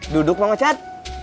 duduk mang ochan